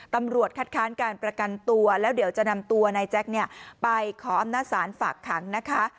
ตำรวจคัดค้านการประกันตัวแล้วเดี๋ยวจะนำตัวนายแจ็คไปขออำนาจศาลฝากขังนะคะ